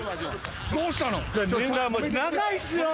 どうしたの？